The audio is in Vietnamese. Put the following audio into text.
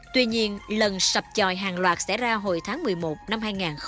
tuy nhiên lần sập tròi hàng loạt xảy ra hồi tháng một mươi một năm hai nghìn chín